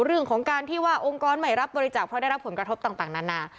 เรื่องของการที่ว่าองค์กรไม่รับบริจาคเพราะได้รับผลกระทบต่างนานา